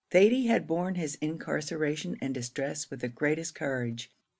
Thady had borne his incarceration and distress with the greatest courage.